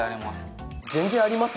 全然あります。